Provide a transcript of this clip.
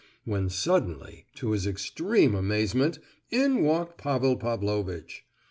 When suddenly, to his extreme amazement, in walked Pavel Pavlovitch.